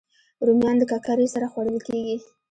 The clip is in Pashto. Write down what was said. رومیان د ککرې سره خوړل کېږي